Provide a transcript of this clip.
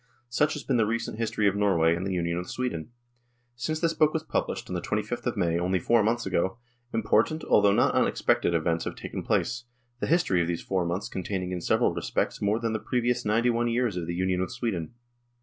Such has been the recent history of Norway and the Union with Sweden. Since this book was published on the 25th of May, only four months ago, important, although not unexpected, events have taken place, the history of these four months contain ing in several respects more than the previous ninety one years of the Union with Sweden.